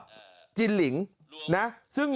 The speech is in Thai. ขอโทษครับ